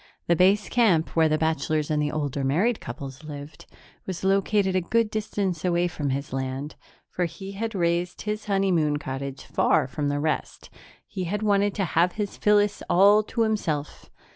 The base camp, where the bachelors and the older married couples lived, was located a good distance away from his land, for he had raised his honeymoon cottage far from the rest; he had wanted to have his Phyllis all to himself.